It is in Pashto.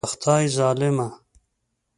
د خدای ظالمه.